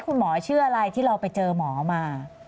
คุณหมอชื่ออะไรที่เราไปเจอหมอมา